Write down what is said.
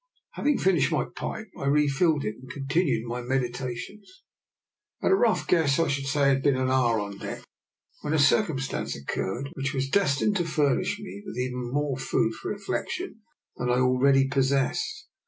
Having finished my pipe, I refilled it and continued my meditations. At a rough guess, I should say I had been an hour on deck when a circumstance occurred which was destined to furnish me with even more DR. NIKOLA'S EXPERIMENT. 97 food for reflection than I already possessed.